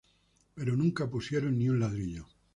Pero nunca pusieron ni un ladrillo.